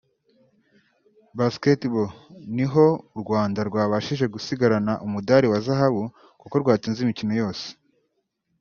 Basketabll niho u Rwanda rwabashije gusigarana umudali wa zahabu kuko rwatsinze imikino yose